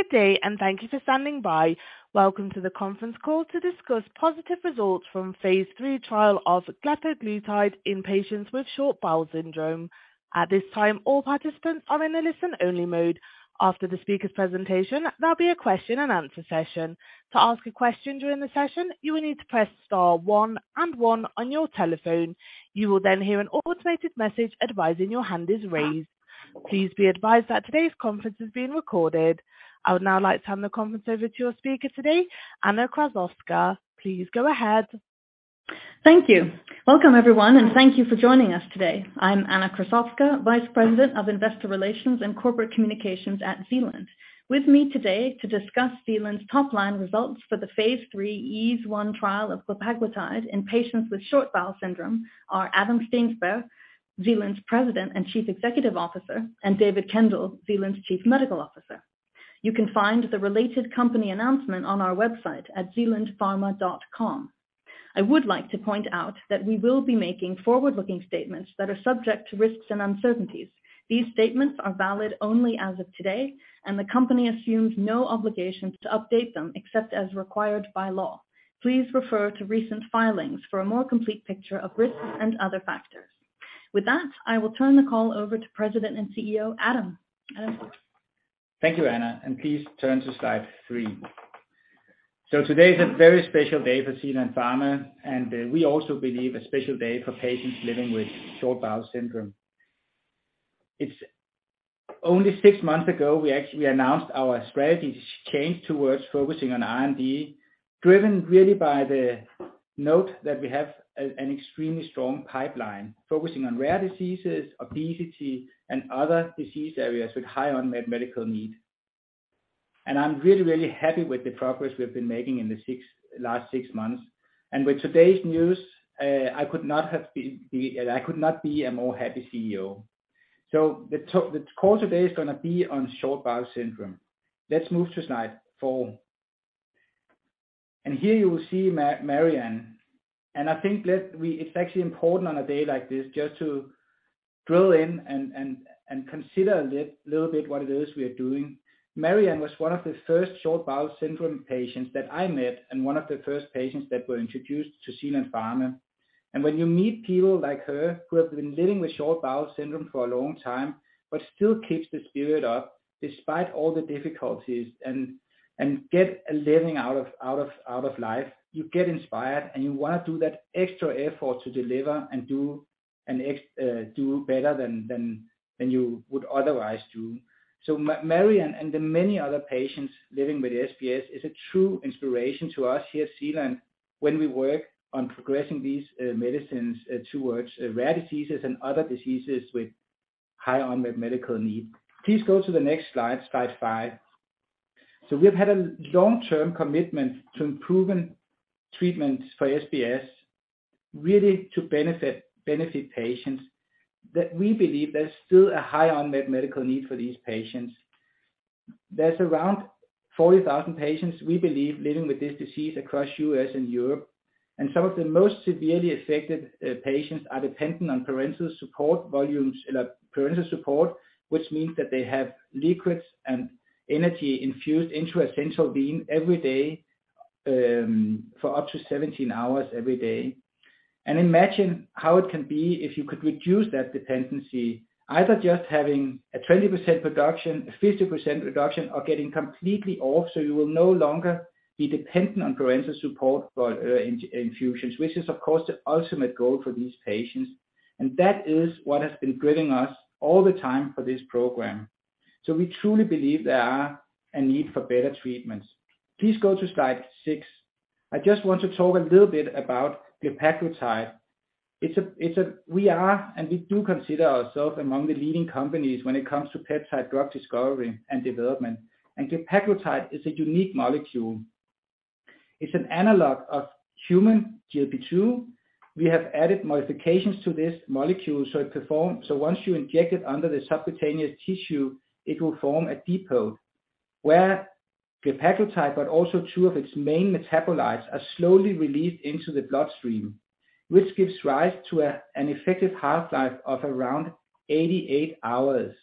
Good day, and thank you for standing by. Welcome to the conference call to discuss positive results from phase III trial of glepaglutide in patients with short bowel syndrome. At this time, all participants are in a listen-only mode. After the speaker's presentation, there'll be a question and answer session. To ask a question during the session, you will need to press star one and one on your telephone. You will then hear an automated message advising your hand is raised. Please be advised that today's conference is being recorded. I would now like to hand the conference over to your speaker today, Anna Krassowska. Please go ahead. Thank you. Welcome, everyone, and thank you for joining us today. I'm Anna Krassowska, Vice President of Investor Relations and Corporate Communications at Zealand. With me today to discuss Zealand's top-line results for the phase III EASE-1 trial of glepaglutide in patients with short bowel syndrome are Adam Steensberg, Zealand's President and Chief Executive Officer, and David Kendall, Zealand's Chief Medical Officer. You can find the related company announcement on our website at zealandpharma.com. I would like to point out that we will be making forward-looking statements that are subject to risks and uncertainties. These statements are valid only as of today, and the company assumes no obligations to update them except as required by law. Please refer to recent filings for a more complete picture of risks and other factors. With that, I will turn the call over to President and CEO, Adam. Adam? Thank you, Anna, and please turn to slide three. Today is a very special day for Zealand Pharma, and we also believe a special day for patients living with short bowel syndrome. It's only six months ago, we actually announced our strategy change towards focusing on R&D, driven really by the notion that we have an extremely strong pipeline, focusing on rare diseases, obesity, and other disease areas with high unmet medical need. I'm really, really happy with the progress we've been making in the last six months. With today's news, I could not be a more happy CEO. The call today is gonna be on short bowel syndrome. Let's move to slide four. Here you will see Marianne. I think it's actually important on a day like this just to drill in and consider a little bit what it is we are doing. Marianne was one of the first short bowel syndrome patients that I met and one of the first patients that were introduced to Zealand Pharma. When you meet people like her, who have been living with short bowel syndrome for a long time but still keeps the spirit up despite all the difficulties and get a living out of life, you get inspired, and you wanna do that extra effort to deliver and do better than you would otherwise do. Marianne and the many other patients living with SBS is a true inspiration to us here at Zealand when we work on progressing these medicines towards rare diseases and other diseases with high unmet medical need. Please go to the next slide five. We've had a long-term commitment to improving treatments for SBS, really to benefit patients that we believe there's still a high unmet medical need for these patients. There's around 40,000 patients, we believe, living with this disease across U.S. and Europe. Some of the most severely affected patients are dependent on parenteral support, which means that they have liquids and energy infused into a central vein every day for up to 17 hours every day. Imagine how it can be if you could reduce that dependency, either just having a 20% reduction, a 50% reduction, or getting completely off, so you will no longer be dependent on parenteral support for infusions, which is, of course, the ultimate goal for these patients. That is what has been driving us all the time for this program. We truly believe there's a need for better treatments. Please go to slide 6. I just want to talk a little bit about the glepaglutide. We are, and we do consider ourselves among the leading companies when it comes to peptide drug discovery and development. Glepaglutide is a unique molecule. It's an analog of human GLP-2. We have added modifications to this molecule, so it perform. Once you inject it under the subcutaneous tissue, it will form a depot where glepaglutide, but also two of its main metabolites, are slowly released into the bloodstream, which gives rise to an effective half-life of around 88 hours.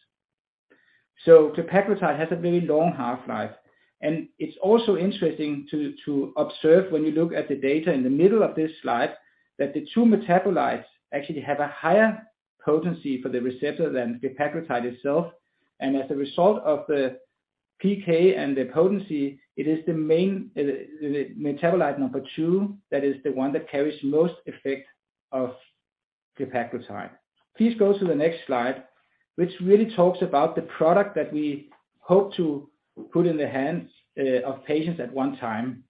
GLEPAGLUTIDE has a very long half-life. It's also interesting to observe when you look at the data in the middle of this slide, that the two metabolites actually have a higher potency for the receptor than glepaglutide itself. As a result of the PK and the potency, it is the main metabolite number two that is the one that carries most effect of glepaglutide. Please go to the next slide, which really talks about the product that we hope to put in the hands of patients at one time.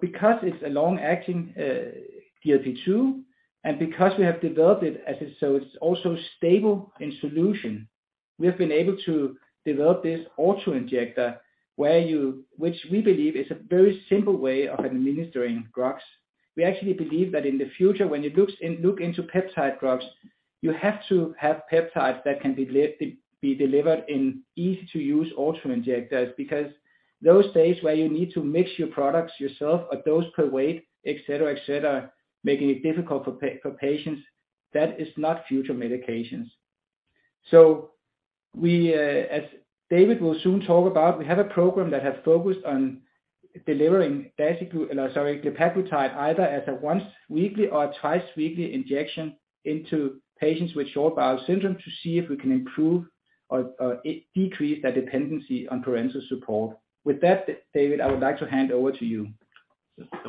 Because it's a long-acting GLP-2, and because we have developed it as if so it's also stable in solution, we have been able to develop this auto-injector, which we believe is a very simple way of administering drugs. We actually believe that in the future, when you look into peptide drugs, you have to have peptides that can be delivered in easy-to-use auto-injectors. Because those days where you need to mix your products yourself or dose per weight, et cetera, making it difficult for patients. That is not future medications. We, as David will soon talk about, we have a program that has focused on delivering glepaglutide either as a once weekly or twice weekly injection into patients with short bowel syndrome to see if we can improve or decrease that dependency on parenteral support. With that, David, I would like to hand over to you.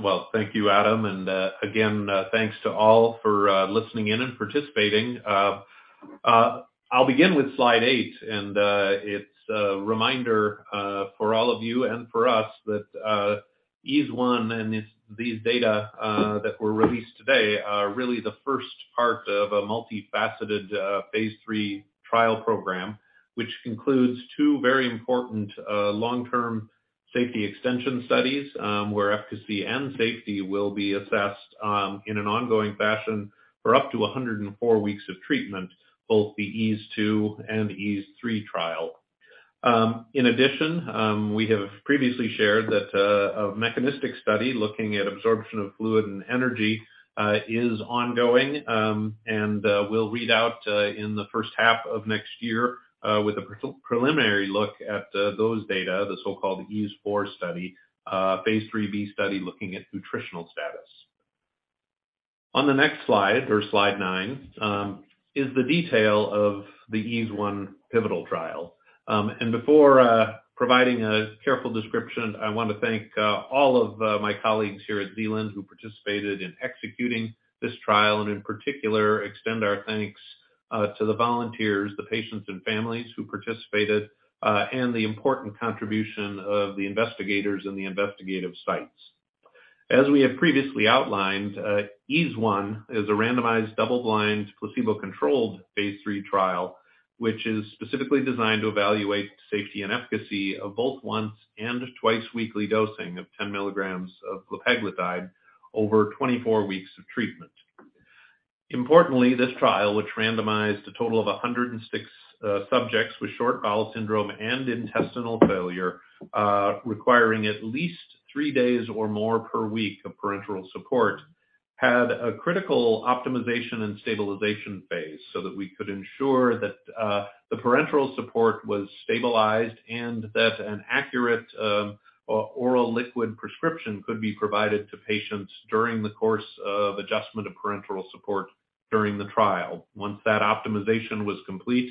Well, thank you, Adam. Again, thanks to all for listening in and participating. I'll begin with slide eight, and it's a reminder for all of you and for us that EASE 1 and these data that were released today are really the first part of a multifaceted phase three trial program, which includes two very important long-term safety extension studies, where efficacy and safety will be assessed in an ongoing fashion for up to 104 weeks of treatment, both the EASE 2 and EASE 3 trial. In addition, we have previously shared that a mechanistic study looking at absorption of fluid and energy is ongoing, and will read out in the first half of next year, with a preliminary look at those data, the so-called EASE 4 study, Phase IIIb study looking at nutritional status. On the next slide, or slide 9, is the detail of the EASE 1 pivotal trial. Before providing a careful description, I want to thank all of my colleagues here at Zealand who participated in executing this trial, and in particular, extend our thanks to the volunteers, the patients and families who participated, and the important contribution of the investigators and the investigative sites. As we have previously outlined, EASE 1 is a randomized double-blind placebo-controlled phase III trial, which is specifically designed to evaluate safety and efficacy of both once and twice weekly dosing of 10 mg of glepaglutide over 24 weeks of treatment. Importantly, this trial, which randomized a total of 106 subjects with short bowel syndrome and intestinal failure requiring at least 3 days or more per week of parenteral support, had a critical optimization and stabilization phase so that we could ensure that the parenteral support was stabilized and that an accurate oral liquid prescription could be provided to patients during the course of adjustment of parenteral support during the trial. Once that optimization was complete,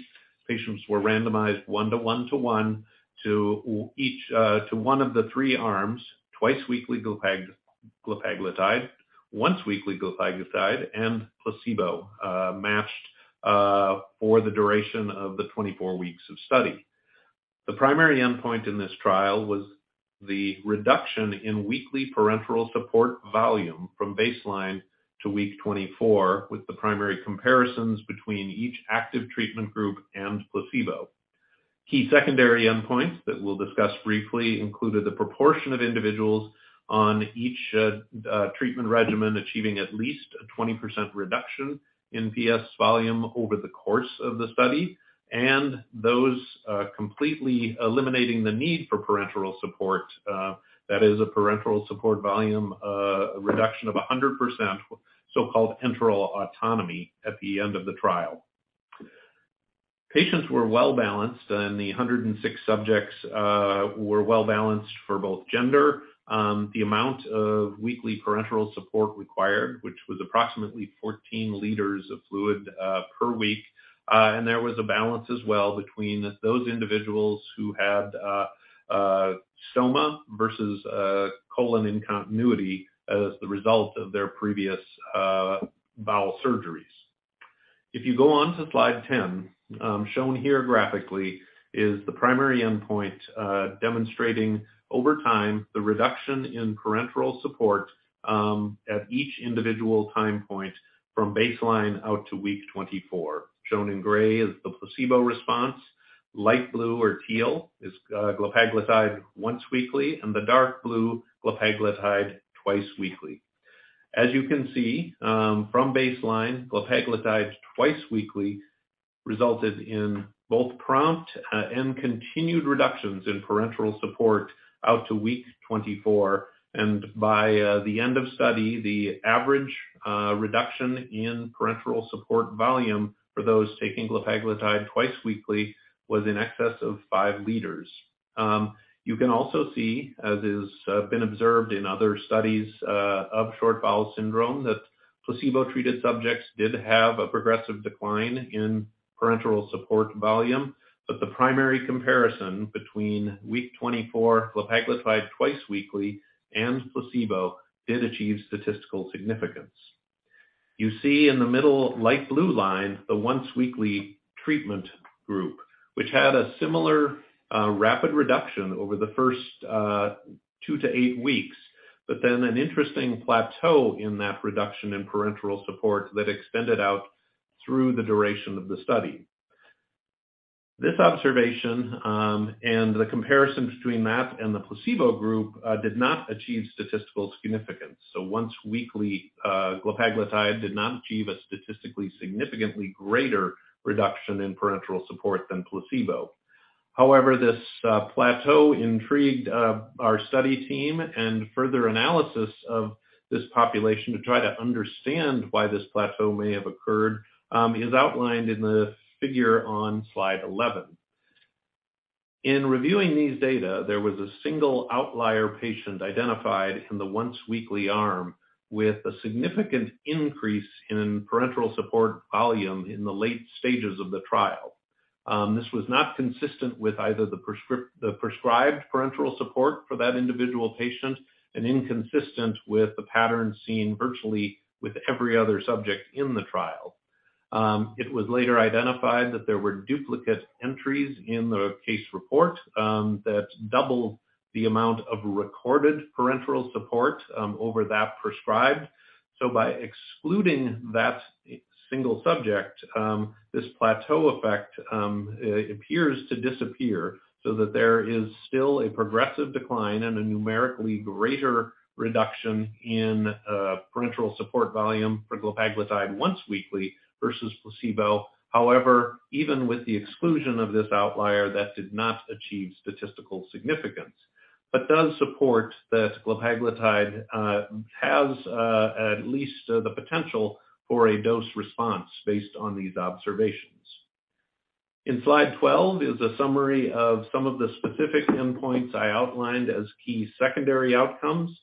patients were randomized 1 to 1 to 1 to each to one of the three arms, twice weekly glepaglutide, once weekly glepaglutide, and placebo, matched for the duration of the 24 weeks of study. The primary endpoint in this trial was the reduction in weekly parenteral support volume from baseline to week 24, with the primary comparisons between each active treatment group and placebo. Key secondary endpoints that we'll discuss briefly included the proportion of individuals on each treatment regimen achieving at least a 20% reduction in PS volume over the course of the study and those completely eliminating the need for parenteral support, that is a parenteral support volume reduction of 100%, so-called enteral autonomy at the end of the trial. Patients were well-balanced, and the 106 subjects were well-balanced for both gender, the amount of weekly parenteral support required, which was approximately 14 liters of fluid per week. There was a balance as well between those individuals who had stoma versus colon in continuity as the result of their previous bowel surgeries. If you go on to slide 10, shown here graphically is the primary endpoint, demonstrating over time the reduction in parenteral support at each individual time point from baseline out to week 24. Shown in gray is the placebo response. Light blue or teal is glepaglutide once weekly, and the dark blue, glepaglutide twice weekly. As you can see, from baseline, glepaglutide twice weekly resulted in both prompt and continued reductions in parenteral support out to week 24. By the end of study, the average reduction in parenteral support volume for those taking glepaglutide twice weekly was in excess of 5 liters. You can also see, as has been observed in other studies of short bowel syndrome, that placebo-treated subjects did have a progressive decline in parenteral support volume. The primary comparison between week 24 glepaglutide twice weekly and placebo did achieve statistical significance. You see in the middle light blue line the once weekly treatment group, which had a similar rapid reduction over the first 2-8 weeks, but then an interesting plateau in that reduction in parenteral support that extended out through the duration of the study. This observation and the comparison between that and the placebo group did not achieve statistical significance. Once weekly glepaglutide did not achieve a statistically significantly greater reduction in parenteral support than placebo. However, this plateau intrigued our study team and further analysis of this population to try to understand why this plateau may have occurred is outlined in the figure on slide 11. In reviewing these data, there was a single outlier patient identified in the once weekly arm with a significant increase in parenteral support volume in the late stages of the trial. This was not consistent with either the prescribed parenteral support for that individual patient and inconsistent with the pattern seen virtually with every other subject in the trial. It was later identified that there were duplicate entries in the case report that doubled the amount of recorded parenteral support over that prescribed. By excluding that single subject, this plateau effect appears to disappear so that there is still a progressive decline and a numerically greater reduction in parenteral support volume for glepaglutide once weekly versus placebo. However, even with the exclusion of this outlier, that did not achieve statistical significance. Does support that glepaglutide has at least the potential for a dose response based on these observations. In slide 12 is a summary of some of the specific endpoints I outlined as key secondary outcomes.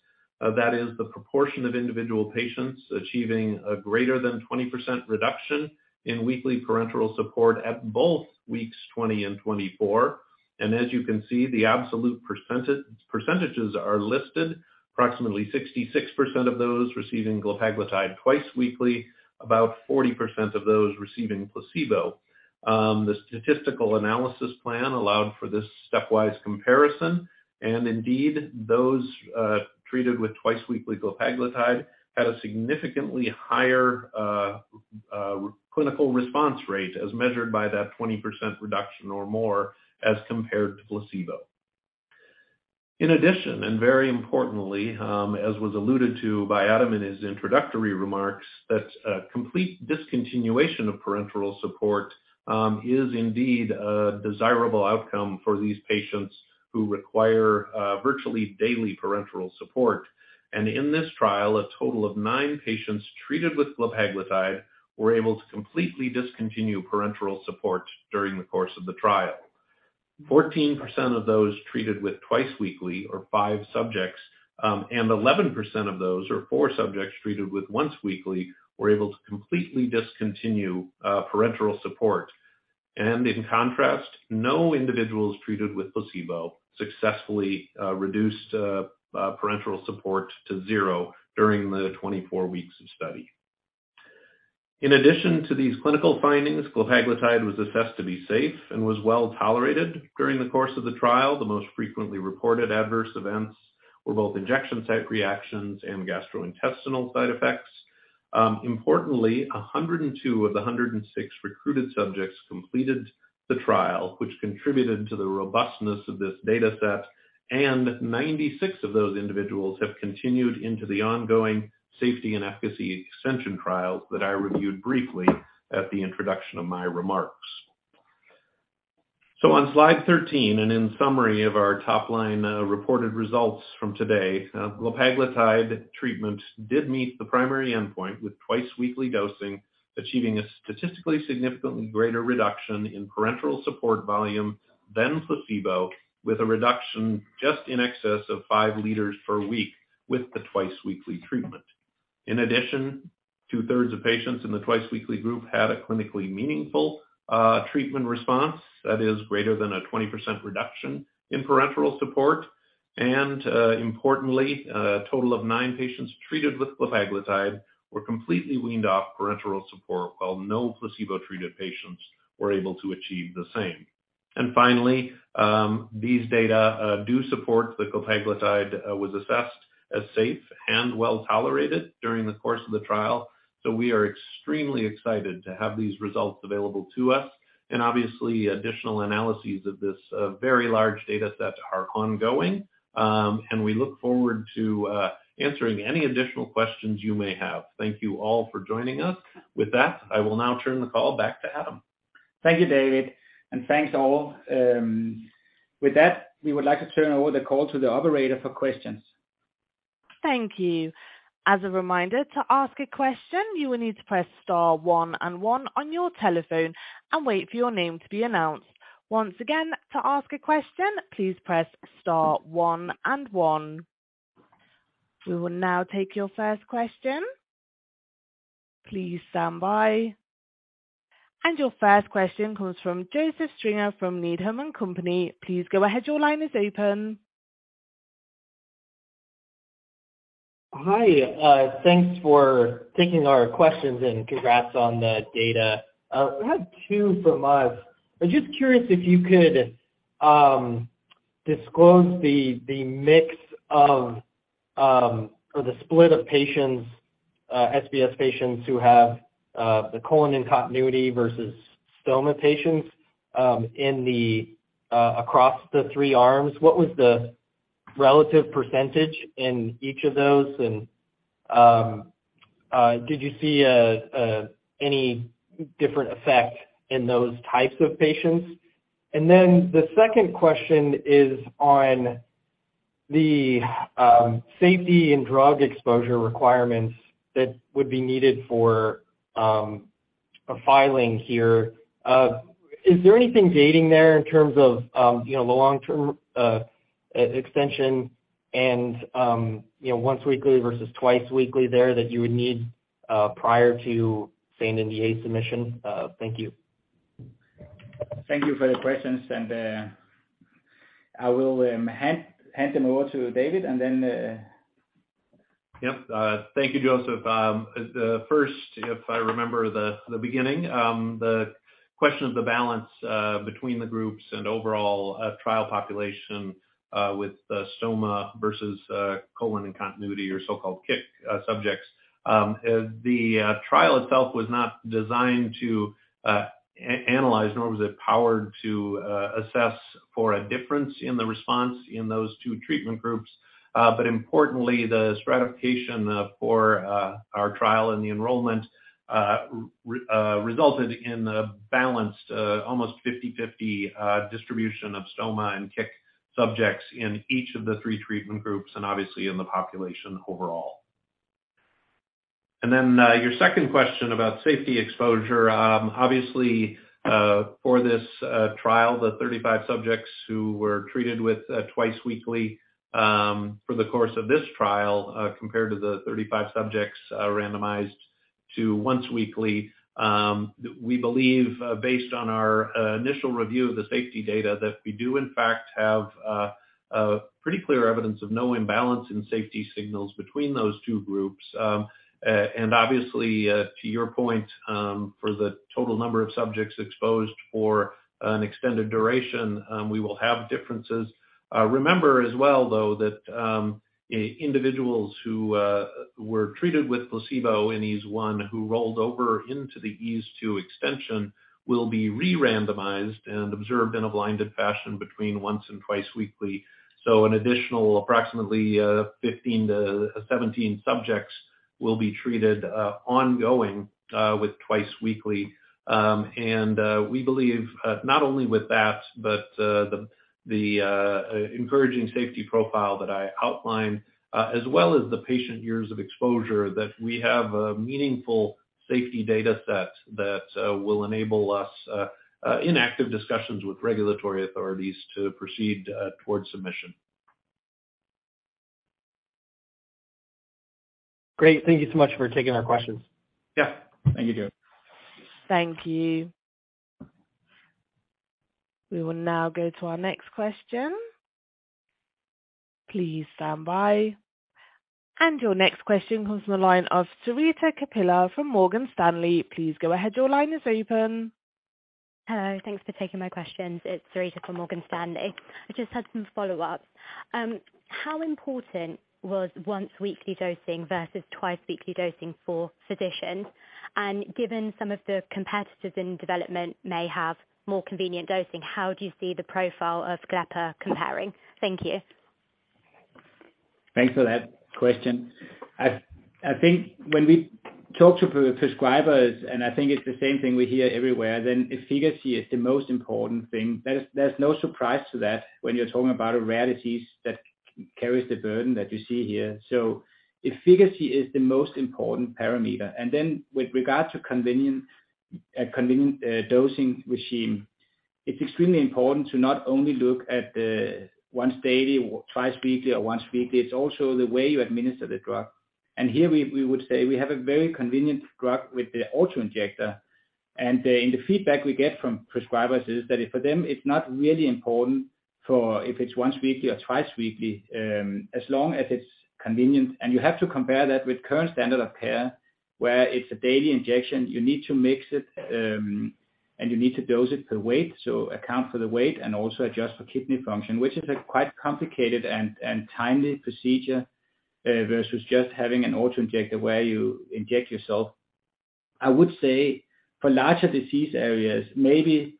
That is the proportion of individual patients achieving a greater than 20% reduction in weekly parenteral support at both weeks 20 and 24. And as you can see, the absolute percentages are listed. Approximately 66% of those receiving glepaglutide twice weekly, about 40% of those receiving placebo. The statistical analysis plan allowed for this stepwise comparison, and indeed, those treated with twice-weekly glepaglutide had a significantly higher clinical response rate as measured by that 20% reduction or more as compared to placebo. In addition, very importantly, as was alluded to by Adam in his introductory remarks, that complete discontinuation of parenteral support is indeed a desirable outcome for these patients who require virtually daily parenteral support. In this trial, a total of nine patients treated with glepaglutide were able to completely discontinue parenteral support during the course of the trial. 14% of those treated with twice weekly or five subjects, and 11% of those or four subjects treated with once weekly were able to completely discontinue parenteral support. In contrast, no individuals treated with placebo successfully reduced parenteral support to zero during the 24 weeks of study. In addition to these clinical findings, glepaglutide was assessed to be safe and was well tolerated during the course of the trial. The most frequently reported adverse events were both injection site reactions and gastrointestinal side effects. Importantly, 102 of the 106 recruited subjects completed the trial, which contributed to the robustness of this data set, and 96 of those individuals have continued into the ongoing safety and efficacy extension trials that I reviewed briefly at the introduction of my remarks. On slide 13, in summary of our top-line reported results from today, glepaglutide treatment did meet the primary endpoint, with twice-weekly dosing achieving a statistically significantly greater reduction in parenteral support volume than placebo, with a reduction just in excess of 5 liters per week with the twice-weekly treatment. In addition, two-thirds of patients in the twice-weekly group had a clinically meaningful treatment response that is greater than a 20% reduction in parenteral support. Importantly, a total of 9 patients treated with glepaglutide were completely weaned off parenteral support while no placebo-treated patients were able to achieve the same. Finally, these data do support that glepaglutide was assessed as safe and well tolerated during the course of the trial. We are extremely excited to have these results available to us. Obviously, additional analyses of this, very large data set are ongoing. We look forward to answering any additional questions you may have. Thank you all for joining us. With that, I will now turn the call back to Adam. Thank you, David, and thanks all. With that, we would like to turn over the call to the operator for questions. Thank you. As a reminder, to ask a question, you will need to press star one and one on your telephone and wait for your name to be announced. Once again, to ask a question, please press star one and one. We will now take your first question. Please stand by. Your first question comes from Joseph Stringer from Needham & Company. Please go ahead. Your line is open. Hi. Thanks for taking our questions, and congrats on the data. I have two from us. I'm just curious if you could disclose the mix of or the split of patients, SBS patients who have the colon-in-continuity versus stoma patients across the three arms. What was the relative percentage in each of those? Did you see any different effect in those types of patients? The second question is on the safety and drug exposure requirements that would be needed for a filing here. Is there anything gating there in terms of you know, the long-term extension and you know, once weekly versus twice weekly there that you would need prior to saying NDA submission? Thank you. Thank you for the questions, and I will hand them over to David and then. Thank you, Joseph. First, if I remember the beginning the question of the balance between the groups and overall trial population with the stoma versus colon continuity or so-called CiC subjects. The trial itself was not designed to analyze, nor was it powered to assess for a difference in the response in those two treatment groups. Importantly, the stratification for our trial and the enrollment resulted in a balanced almost 50/50 distribution of stoma and CiC subjects in each of the three treatment groups, and obviously in the population overall. Your second question about safety exposure. Obviously, for this trial, the 35 subjects who were treated with twice weekly for the course of this trial compared to the 35 subjects randomized to once weekly, we believe based on our initial review of the safety data that we do in fact have a pretty clear evidence of no imbalance in safety signals between those two groups. Obviously, to your point, for the total number of subjects exposed for an extended duration, we will have differences. Remember as well, though, that individuals who were treated with placebo in EASE-1 who rolled over into the EASE-2 extension will be re-randomized and observed in a blinded fashion between once and twice weekly. An additional approximately 15-17 subjects will be treated ongoing with twice weekly. We believe not only with that, but the encouraging safety profile that I outlined, as well as the patient years of exposure, that we have a meaningful safety data set that will enable us, in active discussions with regulatory authorities, to proceed towards submission. Great. Thank you so much for taking our questions. Yeah. Thank you, Joseph. Thank you. We will now go to our next question. Please stand by. Your next question comes from the line of Sehar Kapila from Morgan Stanley. Please go ahead. Your line is open. Hello. Thanks for taking my questions. It's Sarita Kapila from Morgan Stanley. I just had some follow-up. How important was once weekly dosing versus twice weekly dosing for physicians? Given some of the competitors in development may have more convenient dosing, how do you see the profile of glepaglutide comparing? Thank you. Thanks for that question. I think when we talk to prescribers, and I think it's the same thing we hear everywhere, efficacy is the most important thing. That is, there's no surprise to that when you're talking about a rarity that carries the burden that you see here. Efficacy is the most important parameter. With regards to convenient dosing regimen, it's extremely important to not only look at the once daily or twice weekly or once weekly, it's also the way you administer the drug. Here we would say we have a very convenient drug with the auto-injector. In the feedback we get from prescribers is that for them, it's not really important whether it's once weekly or twice weekly, as long as it's convenient. You have to compare that with current standard of care, where it's a daily injection, you need to mix it, and you need to dose it per weight, so account for the weight and also adjust for kidney function, which is a quite complicated and timely procedure, versus just having an auto-injector where you inject yourself. I would say for larger disease areas, maybe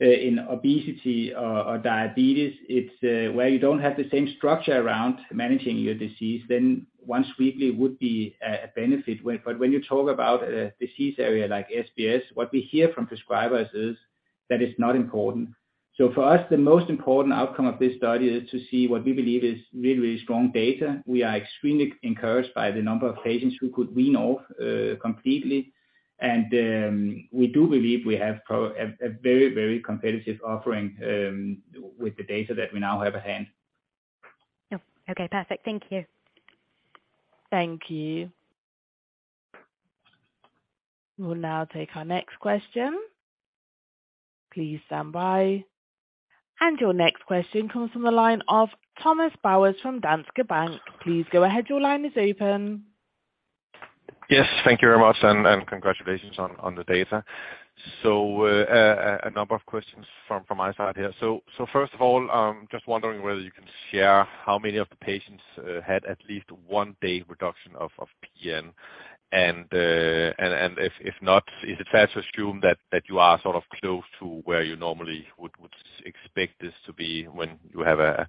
in obesity or diabetes, it's where you don't have the same structure around managing your disease, then once weekly would be a benefit. When you talk about a disease area like SBS, what we hear from prescribers is that it's not important. For us, the most important outcome of this study is to see what we believe is really, really strong data. We are extremely encouraged by the number of patients who could wean off completely. We do believe we have a very, very competitive offering with the data that we now have at hand. Oh, okay. Perfect. Thank you. Thank you. We'll now take our next question. Please stand by. Your next question comes from the line of Thomas Bowers from Danske Bank. Please go ahead. Your line is open. Yes. Thank you very much and congratulations on the data. A number of questions from my side here. First of all, just wondering whether you can share how many of the patients had at least one day reduction of PN? If not, is it fair to assume that you are sort of close to where you normally would expect this to be when you have a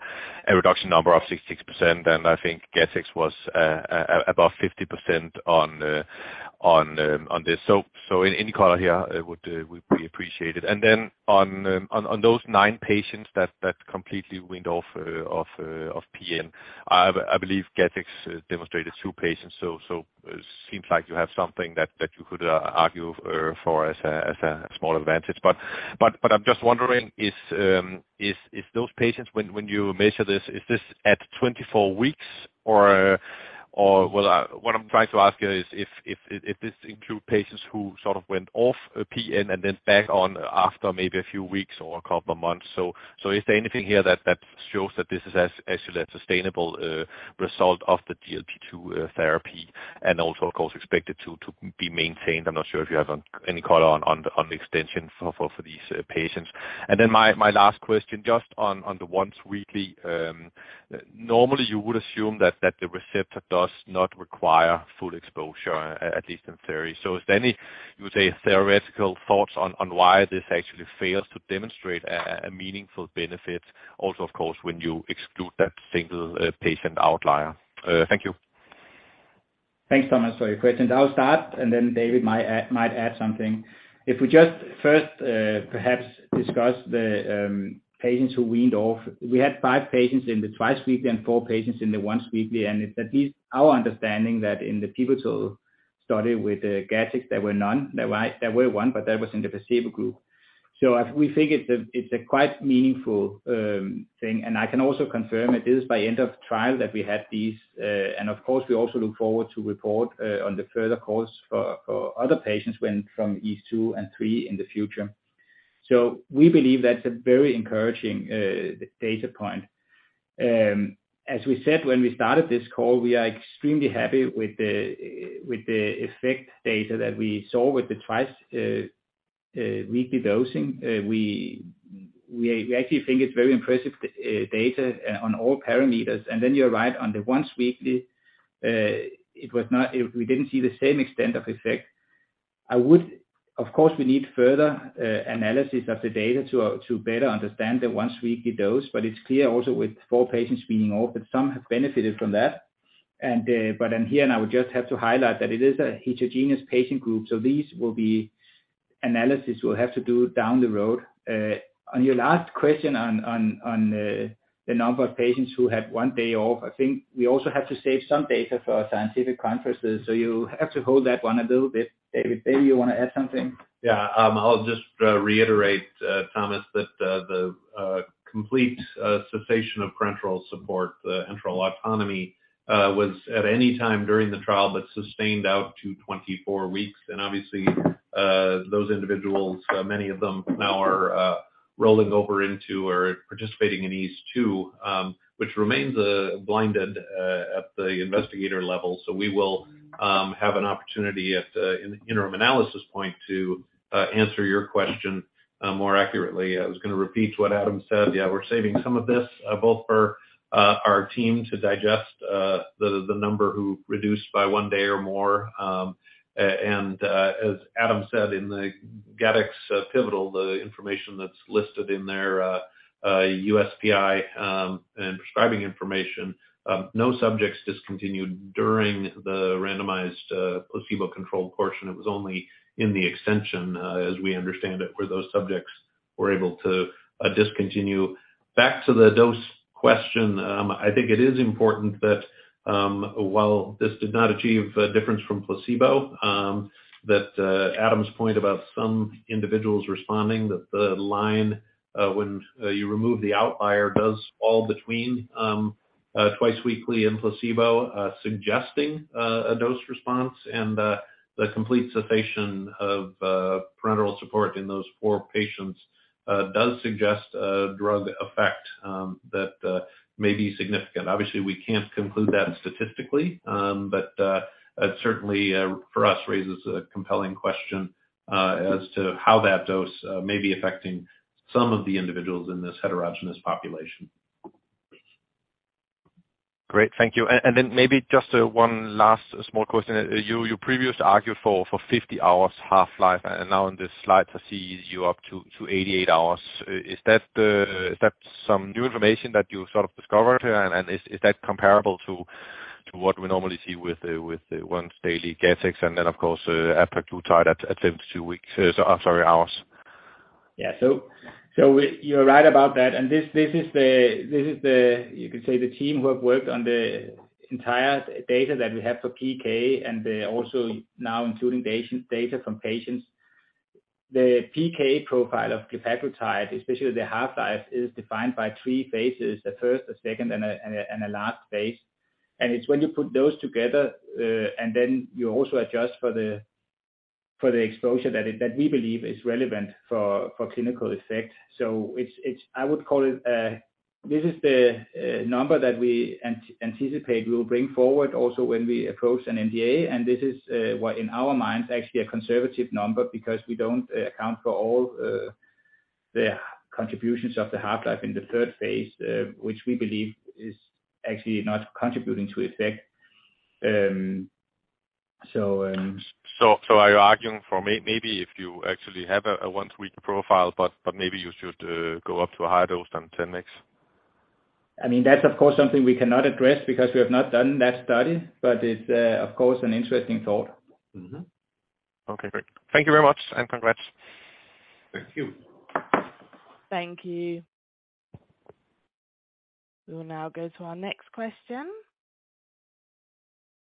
reduction number of 66%? I think GATTEX was about 50% on On this. Any color here would we appreciate it. On those nine patients that completely weaned off PN, I believe GATTEX demonstrated two patients. It seems like you have something that you could argue for as a small advantage. I'm just wondering if those patients, when you measure this, is this at 24 weeks? Well, what I'm trying to ask you is if this include patients who sort of went off PN and then back on after maybe a few weeks or a couple of months. Is there anything here that shows that this is actually a sustainable result of the GLP-2 therapy and also of course expected to be maintained? I'm not sure if you have any color on the extension for these patients. Then my last question, just on the once-weekly, normally you would assume that the receptor does not require full exposure, at least in theory. Is there any, you would say, theoretical thoughts on why this actually fails to demonstrate a meaningful benefit also, of course, when you exclude that single patient outlier? Thank you. Thanks, Thomas, for your questions. I'll start, and then David might add something. If we just first perhaps discuss the patients who weaned off. We had five patients in the twice-weekly and four patients in the once-weekly, and it's at least our understanding that in the pivotal study with GATTEX, there were none. There were one, but that was in the placebo group. We think it's a quite meaningful thing. I can also confirm it is by end of trial that we had these. Of course, we also look forward to report on the further course for other patients coming from EASE-2 and EASE-3 in the future. We believe that's a very encouraging data point. As we said when we started this call, we are extremely happy with the effect data that we saw with the twice-weekly dosing. We actually think it's very impressive data on all parameters. Then you're right, on the once-weekly, we didn't see the same extent of effect. Of course, we need further analysis of the data to better understand the once-weekly dose. It's clear also with 4 patients weaning off that some have benefited from that. I would just have to highlight that it is a heterogeneous patient group, so these will be analysis we'll have to do down the road. On your last question on the number of patients who had one day off, I think we also have to save some data for our scientific conferences, so you have to hold that one a little bit. David, maybe you want to add something? Yeah. I'll just reiterate, Thomas, that the complete cessation of parenteral support, the enteral autonomy, was at any time during the trial but sustained out to 24 weeks. Obviously, those individuals, many of them now are rolling over into or participating in EASE-2, which remains blinded at the investigator level. We will have an opportunity at an interim analysis point to answer your question more accurately. I was gonna repeat what Adam said. Yeah, we're saving some of this both for our team to digest the number who reduced by one day or more. As Adam said, in the GATTEX pivotal, the information that's listed in their USPI and prescribing information, no subjects discontinued during the randomized placebo-controlled portion. It was only in the extension, as we understand it, where those subjects were able to discontinue. Back to the dose question. I think it is important that, while this did not achieve a difference from placebo, that Adam's point about some individuals responding, that the line, when you remove the outlier, does fall between twice-weekly and placebo, suggesting a dose response and the complete cessation of parenteral support in those four patients does suggest a drug effect that may be significant. Obviously, we can't conclude that statistically, but that certainly for us raises a compelling question as to how that dose may be affecting some of the individuals in this heterogeneous population. Great. Thank you. Then maybe just one last small question. You previously argued for 50 hours half-life, and now in this slide I see you up to 88 hours. Is that some new information that you sort of discovered here? Is that comparable to what we normally see with the once-daily GATTEX and then of course apraglutide at 10-20 hours? Yeah, you're right about that. This is the, you could say, the team who have worked on the entire data that we have for PK and also now including patient data from patients. The PK profile of glepaglutide, especially the half-life, is defined by three phases, the first, the second, and the last phase. It's when you put those together, and then you also adjust for the exposure that we believe is relevant for clinical effect. It's, I would call it, this is the number that we anticipate we'll bring forward also when we approach an NDA. This is what in our minds actually a conservative number because we don't account for all the contributions of the half-life in the third phase, which we believe is actually not contributing to effect. So Are you arguing for maybe if you actually have a once-weekly profile, but maybe you should go up to a higher dose than 10 mgs? I mean, that's of course something we cannot address because we have not done that study, but it's of course an interesting thought. Mm-hmm. Okay, great. Thank you very much and congrats. Thank you. Thank you. We will now go to our next question.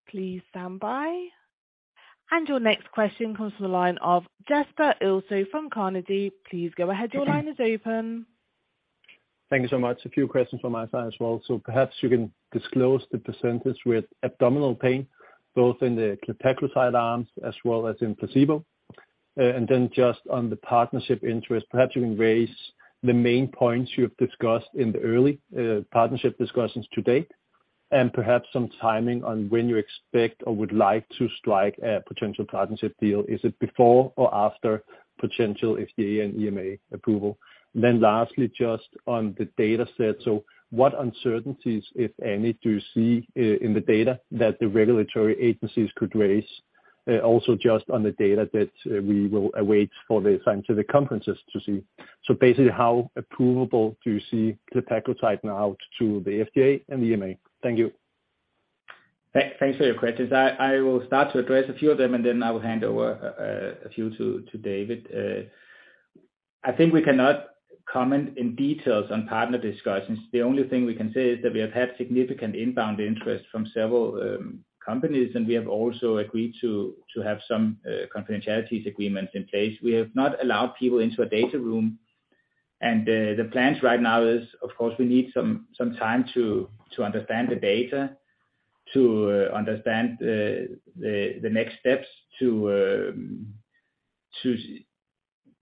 Please stand by. Your next question comes from the line of Jesper Ilsøe from Carnegie. Please go ahead. Your line is open. Thank you so much. A few questions from my side as well. Perhaps you can disclose the percentage with abdominal pain, both in the glepaglutide arms as well as in placebo. And then just on the partnership interest, perhaps you can raise the main points you have discussed in the early partnership discussions to date, and perhaps some timing on when you expect or would like to strike a potential partnership deal. Is it before or after potential FDA and EMA approval? Lastly, just on the data set. What uncertainties, if any, do you see in the data that the regulatory agencies could raise? Also just on the data that we will await for the scientific conferences to see. Basically, how approvable do you see glepaglutide now to the FDA and the EMA? Thank you. Thanks for your questions. I will start to address a few of them, and then I will hand over a few to David. I think we cannot comment in detail on partner discussions. The only thing we can say is that we have had significant inbound interest from several companies, and we have also agreed to have some confidentiality agreements in place. We have not allowed people into a data room. The plans right now is, of course, we need some time to understand the data, to understand the next steps to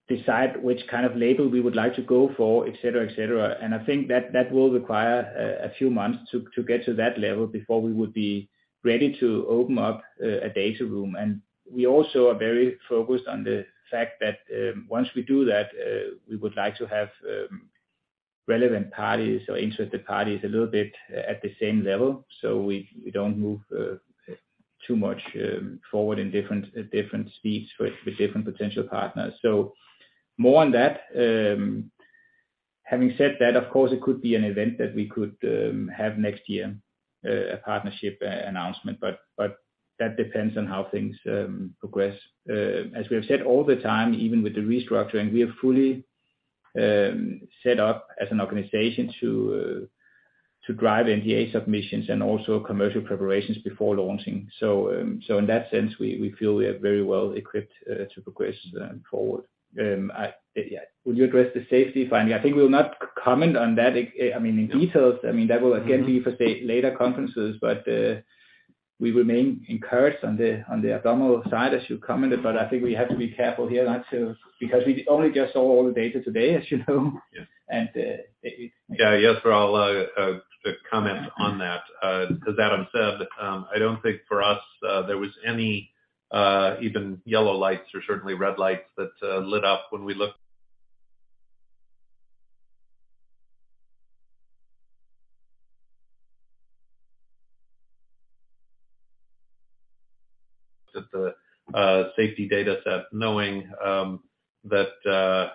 decide which kind of label we would like to go for, et cetera, et cetera. I think that will require a few months to get to that level before we would be ready to open up a data room. We are also very focused on the fact that once we do that, we would like to have relevant parties or interested parties a little bit at the same level, so we don't move too much forward in different speeds with different potential partners. More on that. Having said that, of course, it could be an event that we could have next year, a partnership announcement, but that depends on how things progress. As we have said all the time, even with the restructuring, we are fully set up as an organization to drive NDA submissions and also commercial preparations before launching. In that sense, we feel we are very well equipped to progress forward. Yeah. Will you address the safety finding? I think we'll not comment on that, I mean, in detail. I mean, that will again be for, say, later conferences. We remain encouraged on the abdominal side, as you commented. I think we have to be careful here. Because we only just saw all the data today, as you know. Yes. And, uh, it- Yeah. Yes. For all the comments on that. As Adam said, I don't think for us there was any even yellow lights or certainly red lights that lit up when we looked at the safety data set knowing that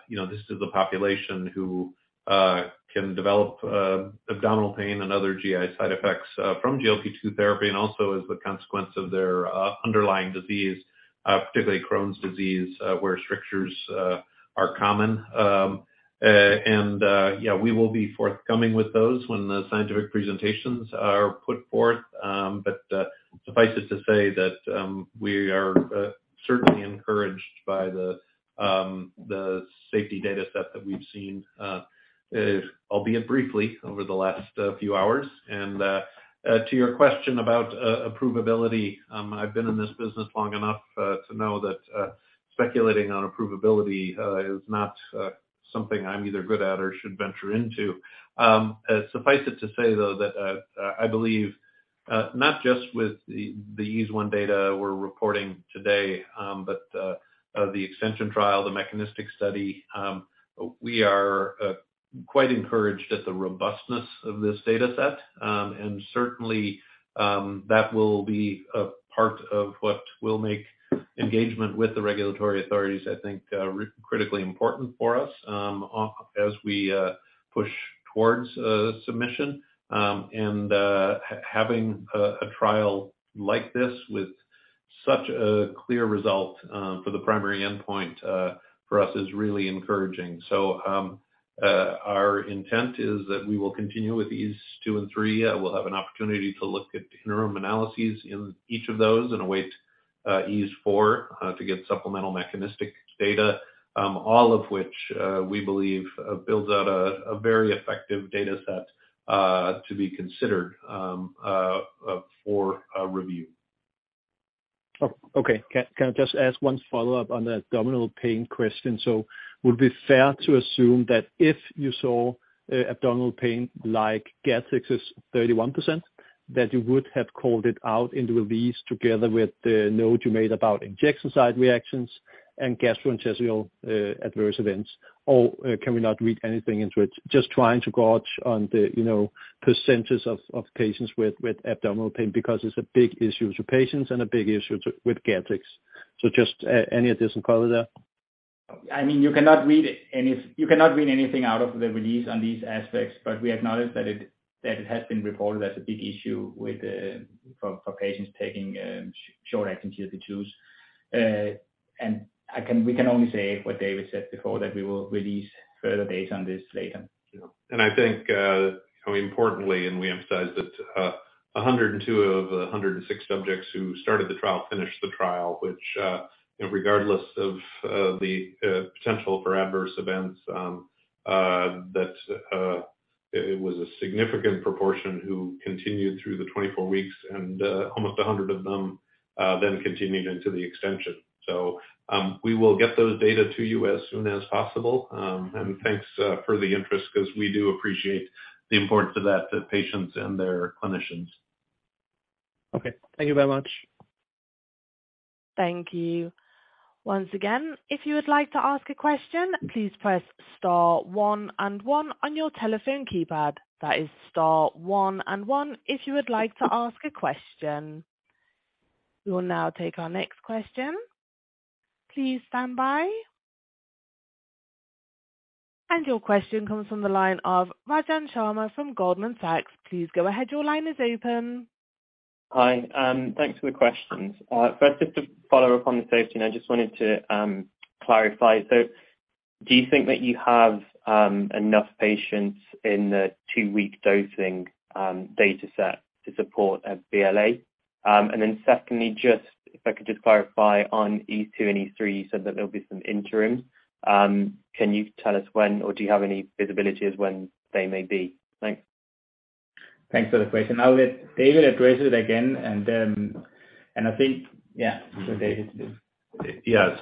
you know this is a population who can develop abdominal pain and other GI side effects from GLP-2 therapy and also as a consequence of their underlying disease particularly Crohn's disease where strictures are common. We will be forthcoming with those when the scientific presentations are put forth. Suffice it to say that we are certainly encouraged by the safety data set that we've seen albeit briefly over the last few hours. To your question about approvability, I've been in this business long enough to know that speculating on approvability is not something I'm either good at or should venture into. Suffice it to say, though, that I believe not just with the EASE-1 data we're reporting today, but the extension trial, the mechanistic study, we are quite encouraged at the robustness of this data set. Certainly, that will be a part of what will make engagement with the regulatory authorities, I think, really critically important for us, as we push towards submission. Having a trial like this with such a clear result for the primary endpoint for us is really encouraging. Our intent is that we will continue with EASE-2 and EASE-3. We'll have an opportunity to look at interim analyses in each of those and await EASE-4 to get supplemental mechanistic data, all of which we believe builds out a very effective data set to be considered for a review. Oh, okay. Can I just ask one follow-up on the abdominal pain question? Would it be fair to assume that if you saw abdominal pain like GATTEX's 31%, that you would have called it out in the release together with the note you made about injection site reactions and gastrointestinal adverse events? Or can we not read anything into it? Just trying to gauge the percentage of patients with abdominal pain because it's a big issue to patients and a big issue with GATTEX. Just any additional color there? I mean, you cannot read anything out of the release on these aspects, but we acknowledge that it has been reported as a big issue for patients taking short-acting GLP-2s. We can only say what David said before, that we will release further data on this later. Yeah. I think, I mean, importantly, we emphasized it, 102 of the 106 subjects who started the trial finished the trial, which, you know, regardless of the potential for adverse events, that it was a significant proportion who continued through the 24 weeks and almost 100 of them then continued into the extension. We will get those data to you as soon as possible. Thanks for the interest 'cause we do appreciate the importance of that to patients and their clinicians. Okay. Thank you very much. Thank you. Once again, if you would like to ask a question, please press star one and one on your telephone keypad. That is star one and one if you would like to ask a question. We will now take our next question. Please stand by. Your question comes from the line of Rajan Sharma from Goldman Sachs. Please go ahead. Your line is open. Hi. Thanks for the questions. First, just to follow up on the safety, and I just wanted to clarify. Do you think that you have enough patients in the two-week dosing data set to support a BLA? Secondly, just if I could just clarify on EASE 2 and EASE 3, you said that there'll be some interim. Can you tell us when or do you have any visibilities when they may be? Thanks. Thanks for the question. I'll let David address it again, and then I think, yeah, so David. Yeah.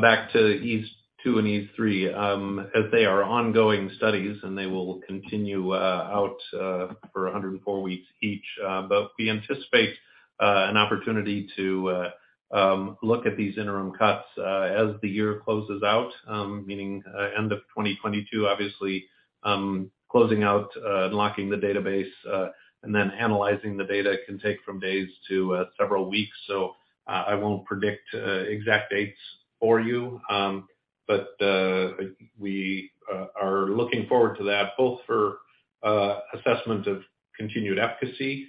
Back to EASE 2 and EASE 3, as they are ongoing studies and they will continue out for 104 weeks each. We anticipate an opportunity to look at these interim cuts as the year closes out, meaning end of 2022. Obviously, closing out, locking the database, and then analyzing the data can take from days to several weeks. I won't predict exact dates for you. We are looking forward to that both for assessment of continued efficacy,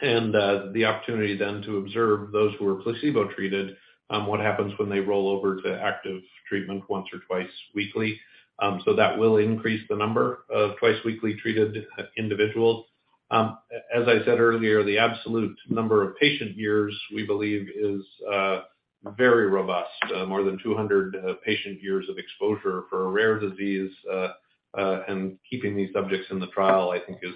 and the opportunity then to observe those who are placebo treated, what happens when they roll over to active treatment once or twice weekly. That will increase the number of twice weekly treated individuals. As I said earlier, the absolute number of patient years, we believe is very robust, more than 200 patient years of exposure for a rare disease. Keeping these subjects in the trial, I think is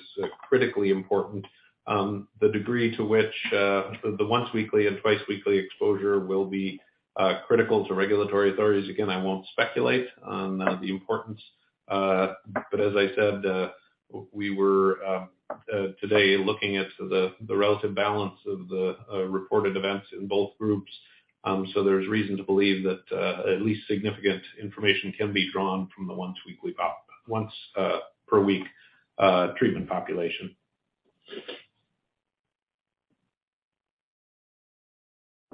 critically important. The degree to which the once weekly and twice weekly exposure will be critical to regulatory authorities, again, I won't speculate on the importance. As I said, we were today looking at the relative balance of the reported events in both groups. There's reason to believe that at least significant information can be drawn from the once per week treatment population.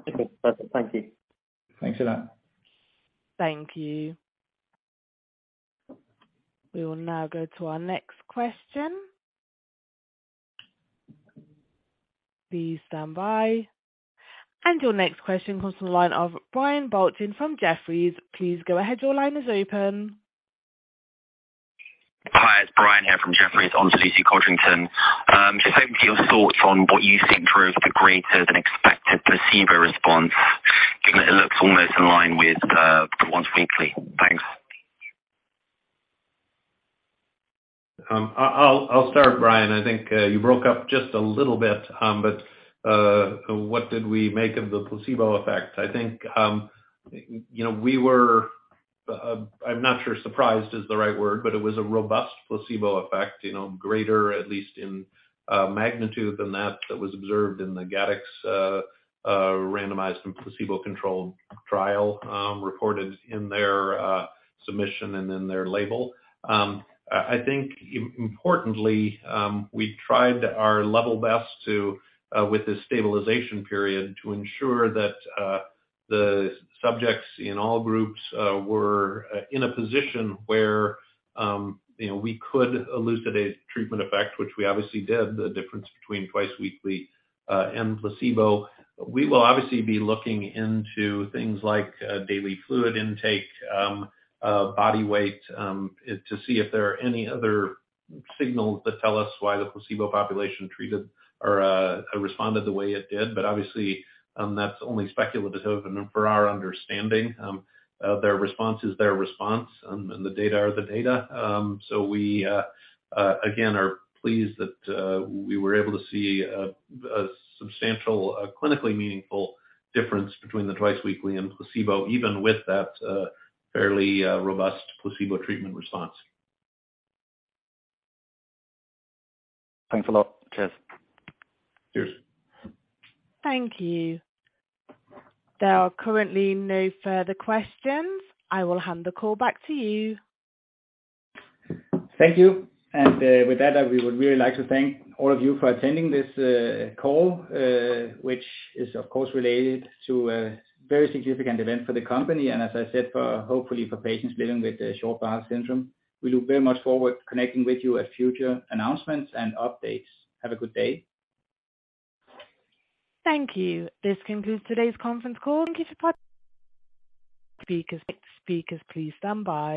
Okay. Perfect. Thank you. Thanks for that. Thank you. We will now go to our next question. Please stand by. Your next question comes from the line of Brian Bolton from Jefferies. Please go ahead. Your line is open. Hi, it's Brian Bolton here from Jefferies on to Lucy Codrington. Just hoping for your thoughts on what you think drove the greater than expected placebo response, given that it looks almost in line with the once weekly. Thanks. I'll start, Brian. I think you broke up just a little bit. What did we make of the placebo effect? I think you know, we were, I'm not sure surprised is the right word, but it was a robust placebo effect, you know, greater at least in magnitude than that was observed in the GATTEX randomized and placebo-controlled trial, reported in their submission and in their label. I think importantly, we tried our level best to with this stabilization period, to ensure that the subjects in all groups were in a position where you know, we could elucidate treatment effect, which we obviously did, the difference between twice weekly and placebo. We will obviously be looking into things like daily fluid intake, body weight, to see if there are any other signals that tell us why the placebo population treated or responded the way it did. Obviously, that's only speculative. For our understanding, their response is their response, and the data are the data. We again are pleased that we were able to see a substantial, clinically meaningful difference between the twice weekly and placebo, even with that fairly robust placebo treatment response. Thanks a lot. Cheers. Cheers. Thank you. There are currently no further questions. I will hand the call back to you. Thank you. With that, we would really like to thank all of you for attending this call, which is of course related to a very significant event for the company, and as I said, for hopefully for patients living with short bowel syndrome. We look very much forward to connecting with you at future announcements and updates. Have a good day. Thank you. This concludes today's conference call. Thank you for participating. Speakers, please stand by.